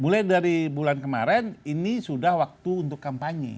mulai dari bulan kemarin ini sudah waktu untuk kampanye